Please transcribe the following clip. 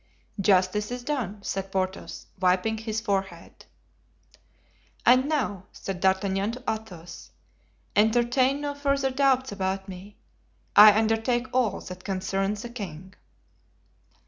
"Justice is done," said Porthos, wiping his forehead. "And now," said D'Artagnan to Athos, "entertain no further doubts about me; I undertake all that concerns the king."